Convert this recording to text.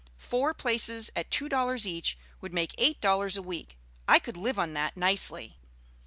Four places at two dollars each would make eight dollars a week. I could live on that nicely."